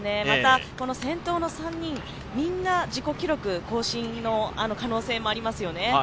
また、先頭の３人、みんな自己記録更新の可能性もありますよね。